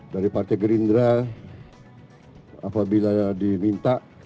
dari partai gerindra apabila diminta